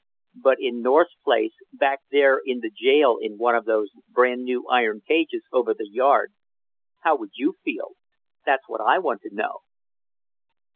"But in North's place, back there in the jail in one of those brand new iron cages over the yard, how would you feel? That's what I want to know!"